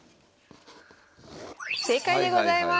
正解でございます。